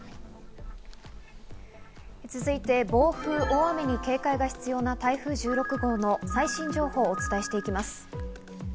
続いて暴風、大雨に警戒が必要な台風１６号の最新情報をお伝えしていきます。